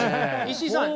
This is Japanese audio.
石井さん。